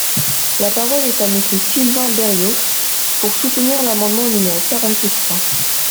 La parole est à Monsieur Sylvain Berrios, pour soutenir l’amendement numéro quarante-trois.